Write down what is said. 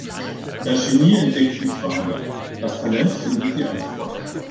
Das Genie entdeckt die Frage, das Talent findet die Antwort.